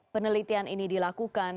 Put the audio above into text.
penelitian ini dilakukan